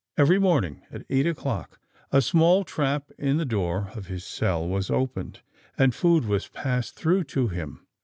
Every morning, at about eight o'clock, a small trap in the door of his cell was opened, and food was passed through to him.